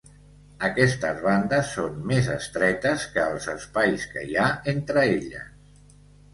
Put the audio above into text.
Aquestes bandes són més estretes que els espais que hi ha entre elles.